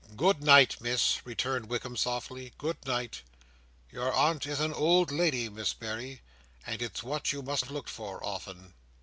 "Good night, Miss!" returned Wickam softly. "Good night! Your aunt is an old lady, Miss Berry, and it's what you must have looked for, often."